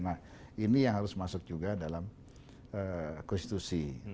nah ini yang harus masuk juga dalam konstitusi